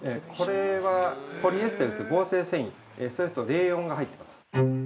◆これは、ポリエステルという合成繊維、それとレーヨンが入っています。